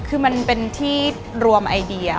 คือมันเป็นที่รวมไอเดีย